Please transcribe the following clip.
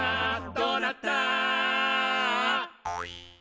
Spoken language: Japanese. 「どうなった？」